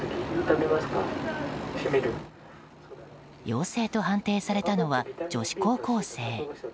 陽性と判定されたのは女子高校生。